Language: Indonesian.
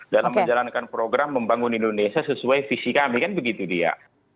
dalam menjalankan program membangun indonesia sesuai visi kami kan begitu dia